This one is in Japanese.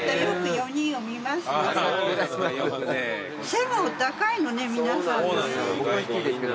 背がお高いのね皆さんね。